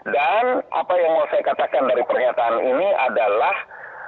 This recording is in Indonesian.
dan apa yang mau saya katakan dari pernyataan ini adalah